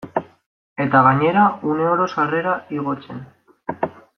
Eta gainera, uneoro sarera igotzen.